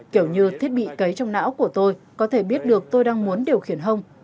kiểu như thiết bị cấy trong não của tôi có thể biết được tôi đang muốn điều khiển hông